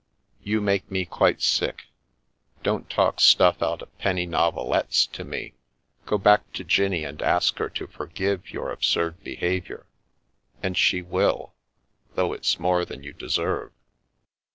" You make me quite sick ! Don't talk stuff out of penny novelettes to me; go back to Jinnie and ask her to forgive your absurd behaviour, and she will, though it's more than you deserve."